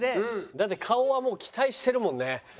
だって顔はもう期待してるもんね。